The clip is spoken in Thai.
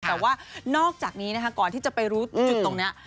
แต่ว่านอกจากนี้นะคะก่อนที่จะไปรู้จุดตรงนี้